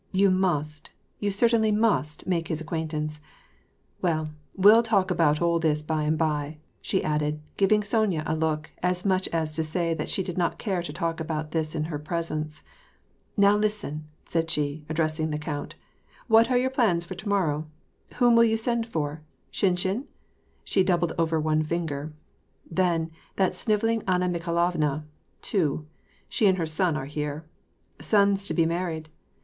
You must, you certainly must, make his acquaintance. Well, we'll talk about all this by and by," she added, giving Sonya a look, as much as to say that she did not care to talk about this in her presence. *^Now, listen !" said she, addressing the count. " What are your plans for to morrow ? Whom will you send for ? Shinshin ?" She doubled over one finger. "Then, that snivelling Anna Mi khailovna. — Two. She and her son are here. Son's to be married.